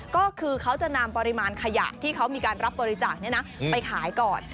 ก็คือเขาจะนำปริมาณขยะที่เขามีการรับบริจาคไปขายก่อน